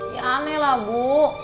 ya aneh lah bu